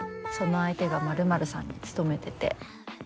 その相手がまるまるさんに勤めてて。